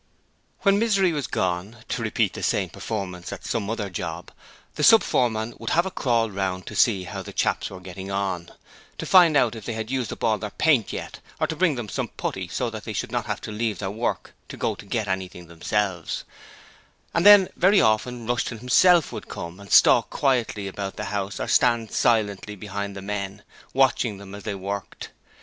When Misery was gone to repeat the same performance at some other job the sub foreman would have a crawl round to see how the chaps were getting on: to find out if they had used up all their paint yet, or to bring them some putty so that they should not have to leave their work to go to get anything themselves: and then very often Rushton himself would come and stalk quietly about the house or stand silently behind the men, watching them as they worked.